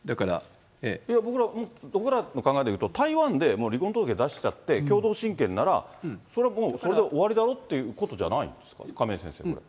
いや、僕らの考えでいうと、台湾で離婚届出しちゃって共同親権なら、それはもう、それで終わりだろってことじゃないんですか、亀井先生。